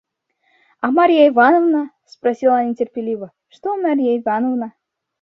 – А Марья Ивановна? – спросил я нетерпеливо, – что Марья Ивановна?